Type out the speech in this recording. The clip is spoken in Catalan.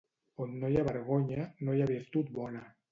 On no hi ha vergonya, no hi ha virtut bona.